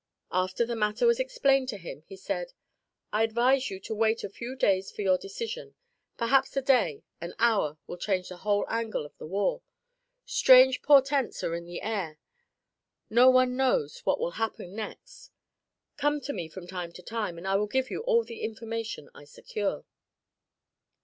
After the matter was explained to him, he said: "I advise you to wait a few days for your decision. Perhaps a day an hour will change the whole angle of the war. Strange portents are in the air; no one knows what will happen next. Come to me, from time to time, and I will give you all the information I secure."